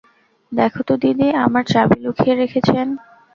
দেখো তো দিদি, আমার চাবি লুকিয়ে রেখেছেন।